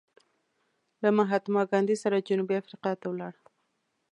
له مهاتما ګاندې سره جنوبي افریقا ته ولاړ.